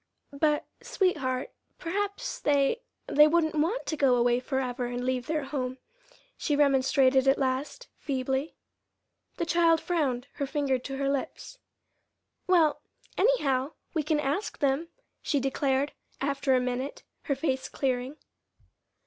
"But, sweetheart, perhaps they they wouldn't want to go away forever and leave their home," she remonstrated at last, feebly. The child frowned, her finger to her lips. "Well, anyhow, we can ask them," she declared, after a minute, her face clearing.